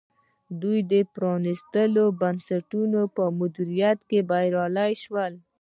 دوی د پرانیستو بنسټونو په مدیریت کې بریالي شول.